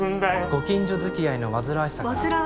ご近所づきあいの煩わしさから。